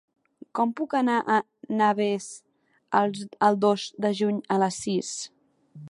Com puc anar a Navès el dos de juny a les sis?